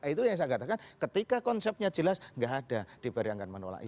itu yang saya katakan ketika konsepnya jelas gak ada diberi anggaran menolak itu